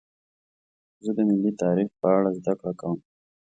زه د ملي تاریخ په اړه زدهکړه کوم.